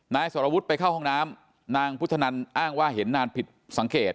นายสรวุฒิไปเข้าห้องน้ำนางพุทธนันอ้างว่าเห็นนานผิดสังเกต